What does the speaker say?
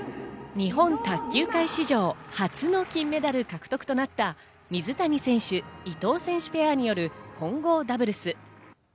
日本卓球界史上、初の金メダル獲得となった水谷選手と伊藤選手ペアによる混合ダブルス。